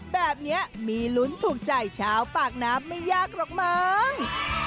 แบบนี้มีลุ้นถูกใจชาวปากน้ำไม่ยากหรอกมั้ง